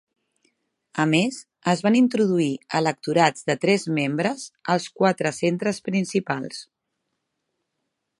A més, es van introduir electorats de tres membres als quatre centres principals.